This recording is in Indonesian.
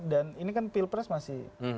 dan ini kan pilpres masih